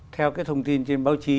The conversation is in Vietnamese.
theo cái thông tin trên báo chí